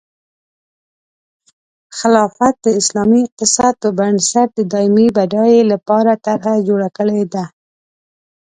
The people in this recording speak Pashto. خلافت د اسلامي اقتصاد په بنسټ د دایمي بډایۍ لپاره طرحه جوړه کړې ده.